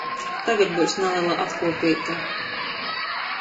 Tagad byus nalela atkuopeite.